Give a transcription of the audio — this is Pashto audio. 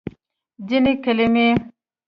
ځینې کلمې